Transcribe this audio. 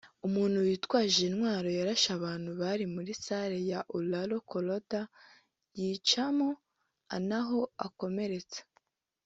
umuntu witwaje intwaro yarashe abantu bari muri salle ya Aurora Colorado yica mo naho akomeretsa